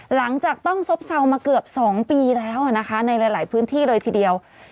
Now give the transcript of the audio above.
หลังจากต้องซบเซามาเกือบ๒ปีแล้วนะคะในหลายพื้นที่เลยทีเดียว